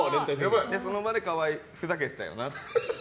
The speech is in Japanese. その場で河合、ふざけてたよなって。